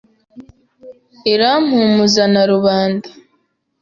Irampumuza na Rubanda